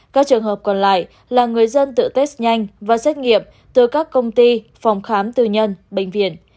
các trường hợp còn lại là người dân tự test nhanh và xét nghiệm từ các công ty phòng khám tư nhân bệnh viện